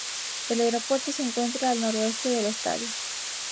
El aeropuerto se encuentra al noroeste del estadio.